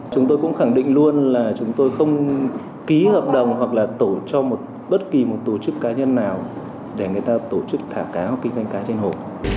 chúng tôi cũng khẳng định luôn là chúng tôi không ký hợp đồng hoặc là tổ cho một bất kỳ một tổ chức cá nhân nào để người ta tổ chức thả cá kinh doanh cá trên hồ